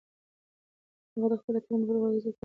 هغه د خپلو اتلانو په روح کې د ازادۍ تنده لیدلې وه.